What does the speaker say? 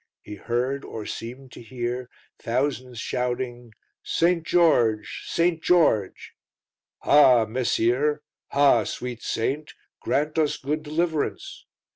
He heard, or seemed to hear, thousands shouting: "St. George! St. George!" "Ha! messire; ha! sweet Saint, grant us good deliverance!"